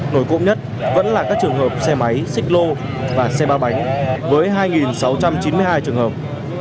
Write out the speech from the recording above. nổi cộng nhất vẫn là các trường hợp xe máy xích lô và xe ba bánh với hai sáu trăm chín mươi hai trường hợp